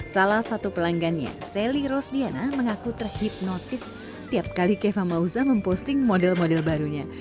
salah satu pelanggannya sally rose diana mengaku terhipnotis tiap kali kepa mausa memposting model model barunya